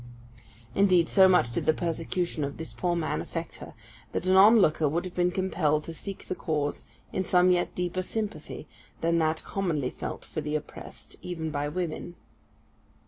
Indeed, so much did the persecution of this poor man affect her, that an onlooker would have been compelled to seek the cause in some yet deeper sympathy than that commonly felt for the oppressed, even by women.